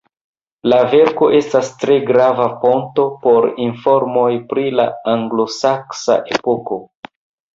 La verko estas tre grava fonto de informoj pri la anglosaksa epoko.